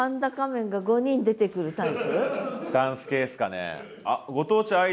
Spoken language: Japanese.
ダンス系ですかね？